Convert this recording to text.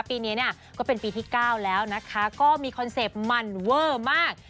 ปีนี้เนี่ยก็เป็นปีที่๙แล้วนะคะก็มีคอนเซ็ปต์มันเวอร์มาก